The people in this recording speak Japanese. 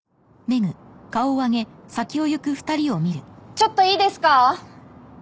ちょっといいですか？